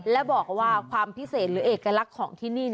และบอกว่าความพิเศษหรือเอกลักษณ์ของที่นี่